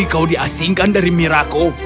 kau diasingkan dari mirako